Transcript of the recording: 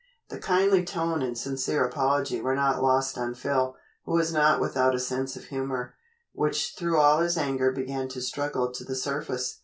The kindly tone and sincere apology were not lost on Phil, who was not without a sense of humor, which through all his anger began to struggle to the surface.